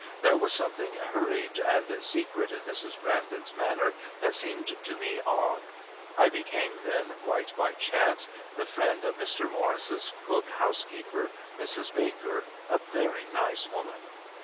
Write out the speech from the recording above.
There was something hurried and secret in Mrs. Brandon's manner that seemed to me odd. I became then, quite by chance, the friend of Mr. Morris's cook housekeeper, Mrs. Baker, a very nice woman.